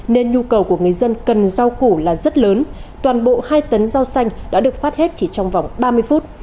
nên nhu cầu của người dân cần rau củ là rất lớn toàn bộ hai tấn rau xanh đã được phát hết chỉ trong vòng ba mươi phút